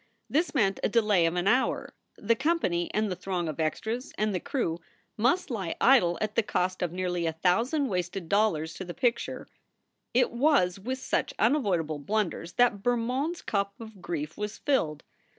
This meant a delay of an hour. The company and the throng of extras and the crew must lie idle at the cost of nearly a thousand wasted dollars to the picture It was with such unavoidable blunders that Bermond s cup of grief was filled.